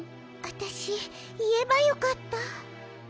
わたしいえばよかった。